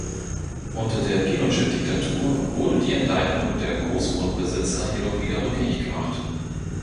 Unter der Pinochet-Diktatur wurde die Enteignung der Großgrundbesitzer jedoch wieder rückgängig gemacht.